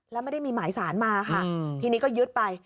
แล้วไม่ได้มีหมายสารมาค่ะทีนี้ก็ยึดไป